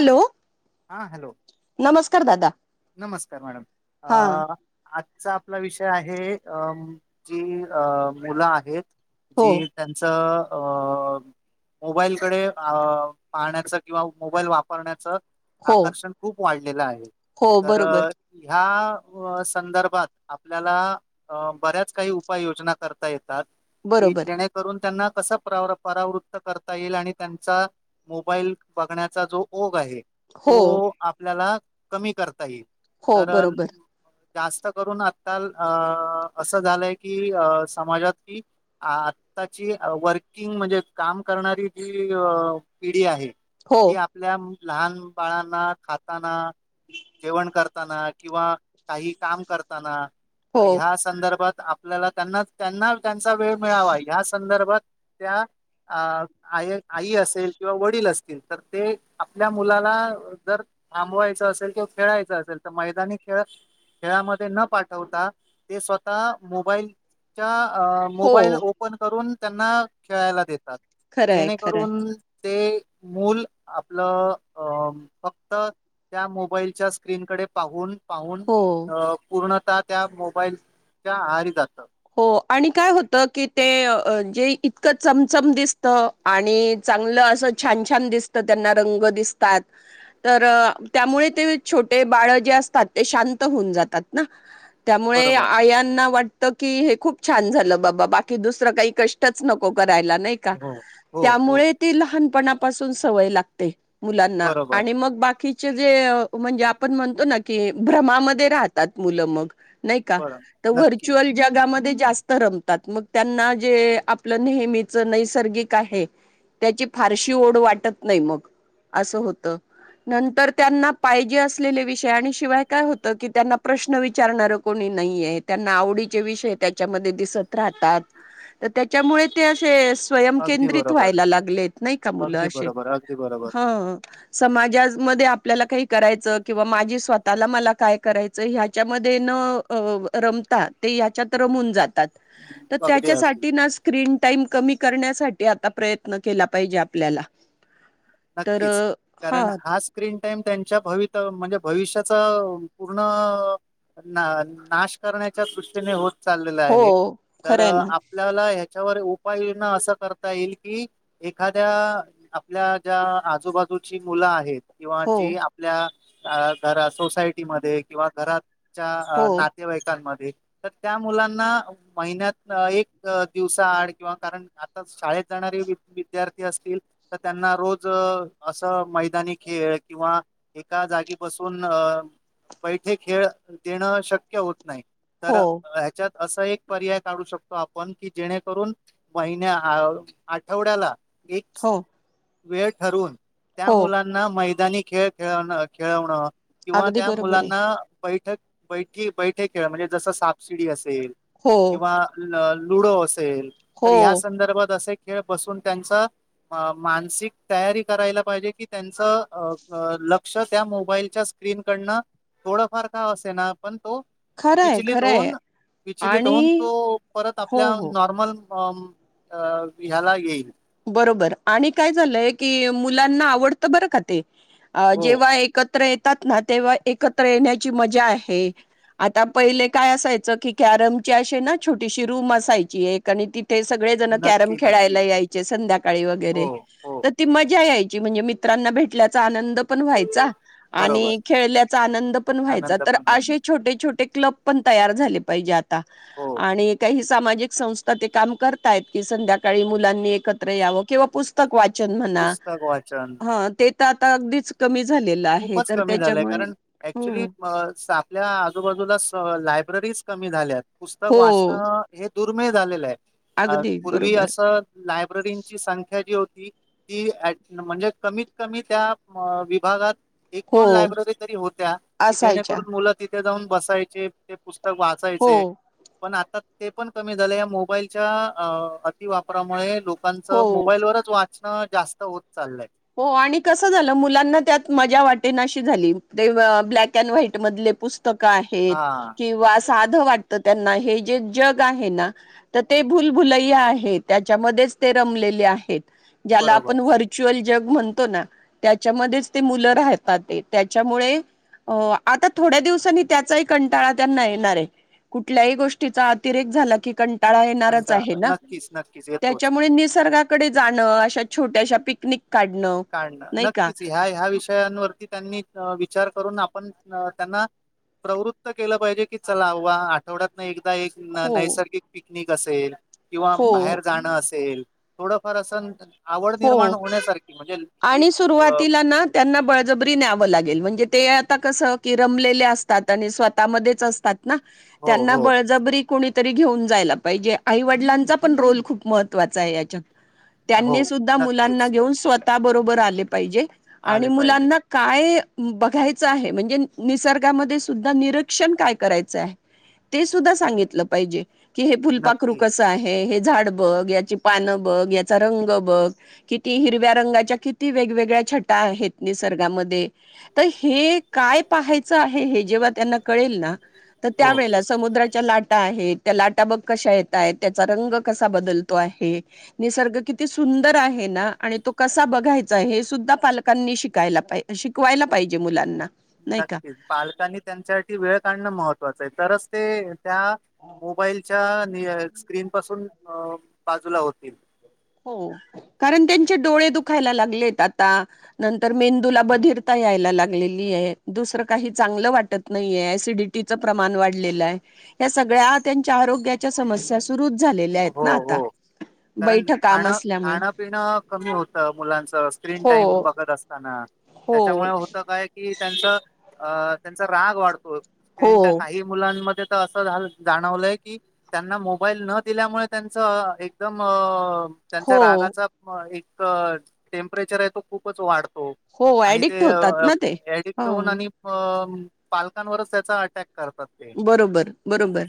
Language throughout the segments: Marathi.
हॅलो हा हॅलो नमस्कार दादा नमस्कार मॅडम हा अ आपला विषय आहे अ जी अ मुलं आहेत हो जी त्यांचं अ मोबाईलकडे अ पाहण्याचं किंवा मोबाईल वापरण्याचं हो आकर्षण खूप वाढलेलं आहे हो तर बरोबर ह्या संदर्भात आपल्याला बऱ्याच काही उपाययोजना करता येत की बरोबर जेणेकरून त्यांना कस परावृत्त करता येईल आणि त्यांचा मोबाईल बघण्याचा जो ओघ आहे हो तो आपल्याला कमी करता येईल हो तर बरोबर जास्त करून आकाल अ असं झालंय की अ समाजात की स्ताची वर्किंग म्हणजे काम करणारी जी पिढी आहे हो जी आपल्या लहान बाळांना खाताना जेवण करत किंवा काही काम करताना हो ह्या संदर्भात आपल्याला त्यांना त्यांना त्यांचा वेळ मिळावा या संदर्भात त्या अ आई आई असेल किंवा वडील असतील तर ते आपल्या मुलाला जर थांबवायचं असेल किंवा खेळायचं असेल तर मैदानी खेळ खेळामध्ये न पाठवता ते स्वतः मोबाईलच्या अ हो मोबाईल ओपन करून त्यांना खेळायला देतात खरंय खरंय जेणेकरून ते मूल आपलं अ फक्त त्या मोबाईलच्या स्क्रीनकडे पाहून पाहून हो पूर्ण त्या मोबाईलच्या आहारी जात हो आणि काय होत की ते जे इतकं चमचम दिसत आणि चांगलं असं छान छान दिसत त्यांना रंग दिसतात तर त्यामुळे ते छोटे बाळ जे असतात ते शांत होऊन जातात ना त्यामुळे बरोबर आयांना वाट की हे खूप छान झालं बाबा बाकी दुसरं काही कष्टच नको करायला नाही का हो हो हो त्यामुळे ती लहानपणापासून सवय लागते मुलांना बरोबर आणि मग बाकी बाकीचे जे म्हणजे आपण म्हणतो ना की भ्रमामध्ये राहतात मुलं मग नाही का बर द नक्की व्हरच्युअल जग? त्यामध्ये जास्त रमतात, मग त्यांना जे आपलं नेहमीचं नैसर्गिक आहे. त्याची फारशी ओढ वाटत नाही, मग आसं होत. नंतर त्यांना पाहिजे असलेले विषय आणि शिवाय काय होतं की, त्यांना प्रश्न विचारणार कोणी नाहीए? त्यांना आवडी ते विषय त्याच्यामध्ये दिसत राहतात, तर त्याच्यामुळे ते असे स्वयं अगदी केंद्रित बरोबर व्हायला लागलेत नाही का मुलं अगदी असे? बरोबर अगदी बरोबर हो समाजाजमध्ये आपल्याला काही करायचं किंवा माझी स्वतःला मला काय करायचं ह्याच्यामध्ये न अ रमता? ते ह्याच्यात रमून जातात. तर अगदी अगदी त्याच्यासाठी ना स्क्रीन टाईम कमी करण्यासाठी आता प्रयत्न केला पाहिजे आपल्याला. तर नक्कीच, कारण हा स्क्रीन टाइम त्यांच्या भवित म्हणजे भविष्याचा पूर्ण अ ना नाश करण्याच्या दृष्टीने होत चालले हो आहे. तर खरंय ना आपल्याला हया च्यावर उपाययोजना असं करता येईल कि, एखाद्या आपल्या ज्या आजूबाजूची मुलं आहेत किंवा हो जी आपल्या अ घरा सोसायटी मध्ये किंवा घरात च्या हो आ नातेवाईकांमध्ये त्या मुलांना महिन्यात न एक दिवसा आड किंवा कारण आताच शाळेत जाणारे विद्यार्थी असतील तर, त्यांना रोज ज अ असं मैदानी खेळ किंवा एका जागी बसून अ. बैठे खेळ देणं शक्य होत नाही, तर हो ह्याच्यात असं एक पर्याय काढू शकतो आपण कि जेणेकरून महिन्या अ आठवड्याला एक हो वेळ ठरवुन त्या हो मुलांना मै दानी खेळ खेळन् खेळवणं किंवा अगदी त्या बरोबर आहे मुलांना बैठक बैठी बैठे खेळ म्हणजे जसं सापसिडी असेल हो किंवा ल लुडो असेल हो तर ह्या संदर्भात असे खेळ बसून त्यांचा अ मानसिक तयारी करायला पाहिजे, की त्यांचं लक्ष त्या मोबाईलच्या स्क्रीनकडनं थोडंफार का असेना पण तो खरंय विचलीत खरंय होऊन विचलीत आणि होऊन तो परत हो आपल्या हो नॉर्मल अ ह्याला येईल बरोबर, आणि काय झालंय की मुलांना आवडत बरं का ते, हो जेव्हा एक त्र येतात ना तेव्हा एकत्र येण्याची मजा आहे. आता पहिले काय असायचं की कॅरमची असे ना छोटीशी रूम असायची एक आणि ती ते सगळे जणं कॅरम नक्की खेळायला नक्की यायचे संध्याकाळी हो वगैरे, हो तर ती मजा या यची म्हणजे मित्रांना भेटल्याचा आनंद पण व्हायचा बरोबर आणि खेळल्याचा आनंद पण व्हायचा, आनंद तर पण आहे असे छोटे छोटे क्लब पण तयार झाले पाहिजे आता हो आणि काही सामाजिक संस्था ते काम करतायत की संध्याकाळी मुलांनी एकत्र यावं किंवा पुस्तक वाचन म्हणा, पुस्तक वाचन हा ते त आता अगदीच कमी झालेलं आहे खूपच तर कमी झालंय, त्याच्यामुळे कारण ऍक्च्युली हो अ स आपल्या आजूबाजूला स लायब्ररीज कमी झाल्यात, पुस्तक हो वाचणं हे दुर्मिळ झालेलंय. अ अगदी पूर्वी बरोबर असं लायब्ररींची संख्या जी हो ती ती अँ म्हणजे कमीत कमी त्या अ विभागात एक हो दोन लायब्ररी तरी होत्या, की असायच्या जेणेकरून मुलं तिथं जाऊन बसायचे पुस्तक हो वाचायचे. पण आता ते पण कमी झालं या मोबाईलच्या अ अतिवापरामुळे लोक कांच हो मोबाईल वरच वाचणं जास्त होत चाललंय. हो आणि कसं झालं मुलांना त्यात मजा वाटेन अशी झाली, ते ब्लॅक अँड व्हाईट मधले पुस् तक‌ आहेत हा किंवा साधं वाट त त्यांना हे जे जग आहे ना, तर ते भुलभुलैया आहे त्याच्यामध्येच ते रमले बरोबर [unintelligible] जग म्हणतो ना त्याच्यामध्येच ते मुलं राहतात ते त्याच्यामुळे अ आता थोड्या दिवसांनी त्याचाही कंटाळा त्यांना येणार आहे. कुठल्याही गोष्टीचा अतिरेक झाला कीं ा येणारच कंटा आहे ना नक्कीच नक्कीच येतोच त्याच्यामुळे निसर्गाकडे जाणं अशा छोट्याशा पिक काढणं नक्कीच हाय हा विषय. विषयावरती त्यांनी विचार करून आपण त्यांना प्रवृत्त केलं पाहिजे की चला आव आठवड्यात नाही एक. एक हो नैसर्गिक पिकनिक असेल किंवा हो बाहेर जाणं असेल. थोडंफार असं आवड निर्माण हो होण्यासारख. आणि सुरुवातीला ना त्यांना बळजबरी न्यावं लागेल म्हणजे ते कस क र असतात आणि स्वतः मच असतात हो त्यांना हो बजब. कोणीतरी घेऊन जायला पाहिजे आईवडिलांचा पण रोल खूप महत्त्वाचा आहे याच्यात हो. मुलाना नक्कीच घेऊन स्वतः बरोबर आले पाहिजे आणि आले पाहिजे मुलांना काय? बघायच आहे म्हणजे निसर्गामध्ये सुद्धा निरीक्षण काय करायचं आहे. ते सुद्धा सांगितलं पाहिजे. कि हे फुलपाखरू नक्की कसं आहे हे झाड बघ याची पानं बघ याचा रंग बघ. अ किती हिरव्या रंगाच्या किती वेगवेगळ्या छटा आहेत, निसर्गामध्ये त ही. हे काय पाहायच आहे, हे जेव्हा त्यांना कळेल ना तर हो त्यावेळेला समुद्राच्या लाट त्या लाटा बग कश येतय, त्याचा रंग कसा बदलतो आहे, निसर्ग किती. सुंदर आहे ना आणि तो कसा बघायचा आहे, हे सुद्धा पालकांनी शिकायला पाहिज शिकवायला पाहिजे. मुलांना. नाही का नक्कीच पालकांनी त्यांच्यासाठी वेळ काढणं महत्त्वाचं आहे, तरच ते. त्या मोबाईलच्या स्क्रीन पासून बाजूला होतील. हो कारण त्यांचे डोळे दुखायला लागलेत, आता नंतर मेंदूला बधर यायला लागलेली आहे, दुसर काही चांगलं वाटत नाहीये, ऍसिडिटीच प्रमाण वाढलेलं आहे. या सगळ्या त्यांच्या आरोग्याच्या समस्या सुरूच झालेल्या आहेत ना आता बै खाण खाणं पिणं कमी होतं मुलांचं स्क्रीन टाइम हो बघत असताना. हो त्याच्यामुळे होत काय कि त्यांच अ त्यांचा राग वाढतो. हो स्क्रीनच्या काही मुलांमध्ये तर असं झा जाणवलंय की त्यांना मोबाईल न दिल्यामुळे त्यांच एकदम त्यांच्या हो रागाचा टेम्परेचर आहे तो खूपच वाढतो. हो आणि ऍडिक्ट ते होतात ना ते अडिक्ट ह होऊन आणि पालकांवरच त्याचा अटॅक करतात ते बरोबर बरोबर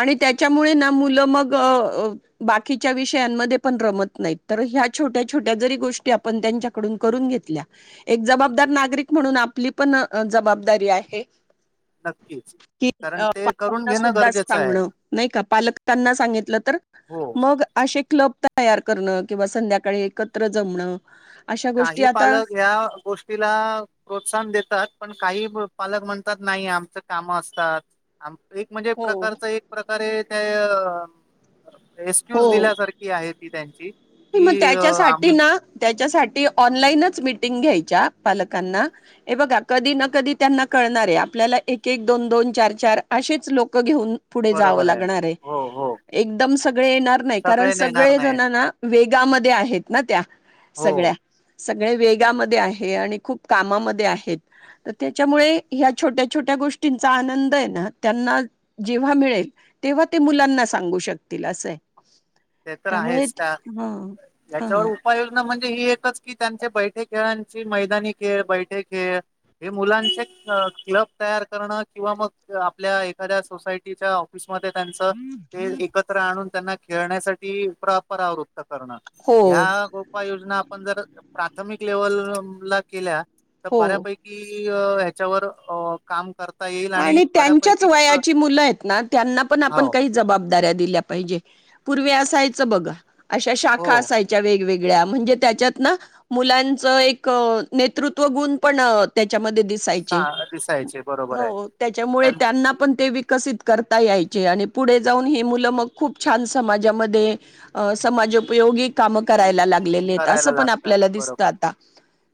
आणि त्या मुळे मुलं मग बाकीच्या विषयामध्ये पण रमत नाहीत तर ह्या छोट्या छोट्या गोष्टी आपण त्यांच्याकडून करून घेतल्या एक जबाबदार नागरिक म्हणून आपली जबाबदारी आहे. नक्कीच की कारण अ, ते कर पालकांना सुद्धा सांगणं नाही का पालक त्यांना सांगीतल तर हो मंग अशे क्लब तयार करणं किंवा संध्याकाळी एकत्र जमणं. अशा गोष्टी काही आता पालक ह्या गोष्टीला प्रोत्साहन देतात पण काही पालक म्हणतात नाही आमच काम असतात. एक म्हणजे हो प्रकारच एक प्रकारे त्या एस्क्यूज दिल्यासारखी आहेत. ही त्यांची की कि मग त्याच्यासाठी आम्ही ना त्या च्या साठी ऑनलाईनच मीटिंग घ्यायच्या पालकांना. हे बघा त्यांना कधी ना कधी कळ आपल्या एक एक दोन दोन चार चार असेच लोक घेऊन पुढे जावं बरोबर लागणार आहे हो हो एकदम सगळे येणार नाही कारण नेणार सगळे नाहीत जणना मधे आहेत ना त्या हो सगळ्या. सगळे वेगामध्ये आहे आणि खूप कामामध्ये आहेत, तर त्याच्यामुळे ह्या छोट्या छोट्या- गोष्टींचा आनंद हे ना त्यांना जेव्हा मिळेल तेव्हा ते मुलांना सांगू शकतील. अस असय. ते तर आहेच का हा याच्यावर उपाययोजना म्हणजे हि एकच ठिकाणचे बैठे खेळांची मैदानी खेळ बैठे खेळ हे मुलांचे- मंग तिला तयार करणं किंवा मंग आपल्या एखाद्या सोसायटीच्या ऑफीस म त्यांच ते एकत्र आणून त्यांना खेळण्यासाठी प्ररावुर्त - तर करनार हो ह्या उपाययोजना आपण जर प्राथमिक लेवल ला केल्या. तर हो बऱ्यापैकी ह्याच्यावर अ काम करत. आणि त्यांच्याच वयाची मुलं आहेत ना त्यांना पण आपण हो काही जबाबदाऱ्या दिल्यात. पाहिजे पूर्वी असायच बघा अशा हो शाखा असायच्या वेगवेगळ्या. या म्हणजे त्याच्यात ना मुलांच एक नेतृत्व गुण पण त्याच्या मधील. सहां दिसायचे बरोबर. आहे हो त्याच्यामुळे त्यांना पण ते वीक विकसित करता यायचे आणि पुढे जाऊन ही मुलं मग खूप छान समाजामध्ये अ समाज उपयोगी काम करायला लागलेली आहेत अस करायला पण लागतात आपल्याला दिसत बरोबर. आता.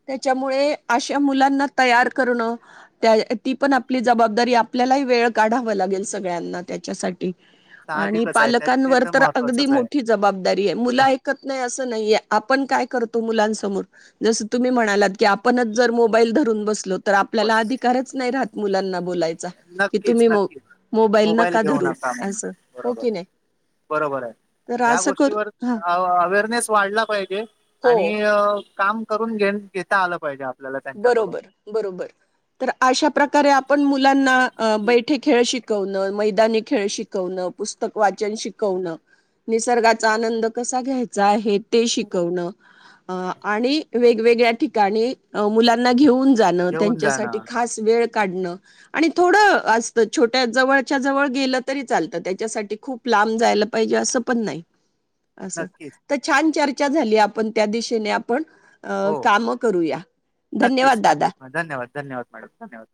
त्याच्यामुळे अशा मुलांना तयार करणं त्या ती पण आपली जबाबदारी आपल्यालाही वेळ काढाव लागेल सगळ्यांना त्याच्यासाठी. आणि साहजिकच आहे त्यात ते पालकांवर तर अगदी महत्त्वाचंच आहे. मोठी जबाबदारी आहे मुलं ऐकत नाही असं नाहीये आपण काय करतो. मुलांसमोर जसं तुम्ही म्हणालात की आपणच जर मोबाईल धरून बसलोत. तर आपल्याला अधिकारच नाही राहत. मुलांना बोलायचा कि नक्कीच तुम्ही मो नक्कीच मोबाईल घेऊ धरू नका. म्हणून असं हो बरोबर की आहे. नाही बरोबर आहे. तर ह्या असं कर गोष्टीवर हा अवेअरनेस वाढला पाहिजे हो आणि अ काम करून घेन घेता आलं पाहिजे. आपल्याला त्यांच्याकडून बरोबर बरोबर तर अशा प्रकारे आपण मुलांना अ बैठे खेळ शिकवणं मैदानी खेळ शिकवणं पुस्तक वाचन शिकवणं. निसर्गाचा आनंद कसा घ्यायचा आहे. ते शिकवण आणि वेगवेगळ्या ठिकाणी अ मुलांना घेऊन जाण घेऊन त्यांच्यासाठी जाणं खास वेळ काढणं आणि थोडं असतं छोट्या जवळच्या जवळ गेलं तरी चालतं त्याच्यासाठी खूप लांब लांब जायला पाहिजे असं पण नाही. असं नक्कीच तर छान चर्चा झाली. आपण त्या दिशेने आपण अ हो काम करूया. नक्कीच धन्यवाद दादा. नक्कीच मॅ धन्यवाद धन्यवाद मॅडम धन्यवाद.